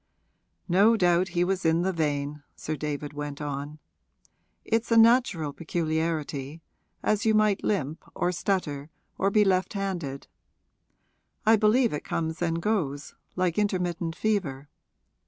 'No doubt he was in the vein,' Sir David went on. 'It's a natural peculiarity as you might limp or stutter or be left handed. I believe it comes and goes, like intermittent fever.